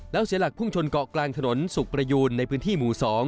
แล้วเสียหลักพุ่งชนเกาะกลางถนนสุขประยูนในพื้นที่หมู่๒